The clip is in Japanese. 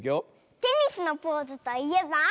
テニスのポーズといえば？